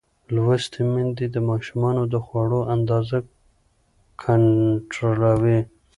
لوستې میندې د ماشومانو د خوړو اندازه کنټرولوي.